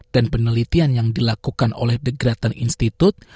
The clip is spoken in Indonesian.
dan penelitian yang dilakukan oleh the grattan institute